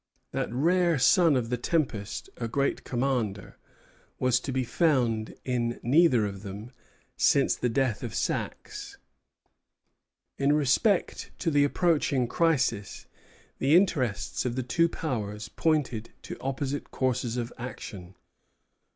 That rare son of the tempest, a great commander, was to be found in neither of them since the death of Saxe. In respect to the approaching crisis, the interests of the two Powers pointed to opposite courses of action.